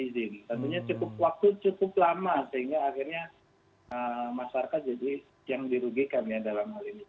tentunya cukup waktu cukup lama sehingga akhirnya masyarakat jadi yang dirugikan ya dalam hal ini